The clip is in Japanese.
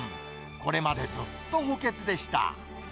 これまでずっと補欠でした。